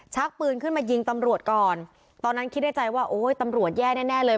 ปืนขึ้นมายิงตำรวจก่อนตอนนั้นคิดในใจว่าโอ้ยตำรวจแย่แน่แน่เลย